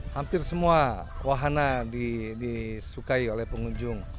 hampir semua wahana disukai oleh pengunjung